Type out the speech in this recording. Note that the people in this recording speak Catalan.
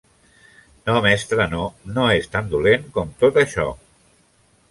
No, mestre, no; no és tan dolent com tot això.